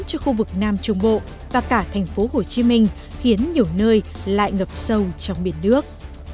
cho khu vực nam trung bộ và cả thành phố hồ chí minh khiến nhiều nơi lại ngập sâu trong biển nước